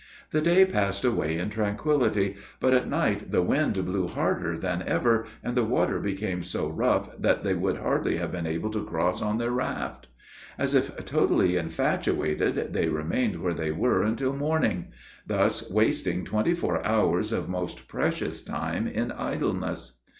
The day passed away in tranquility; but at night the wind blew harder than ever, and the water became so rough, that they would hardly have been able to cross on their raft. As if totally infatuated, they remained where they were until morning; thus wasting twenty four hours of most precious time in idleness.